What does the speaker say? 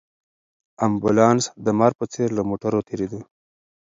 امبولانس د مار په څېر له موټرو تېرېده.